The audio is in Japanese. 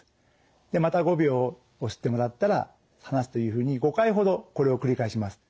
でまた５秒押してもらったら離すというふうに５回ほどこれを繰り返します。